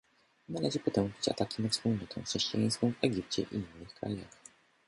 Należy potępić ataki na wspólnotę chrześcijańską w Egipcie i innych krajach